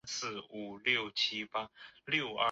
若干项目被列入中国国家级非物质文化遗产。